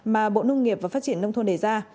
mà bộ nông nghiệp và phát triển nông thôn đề ra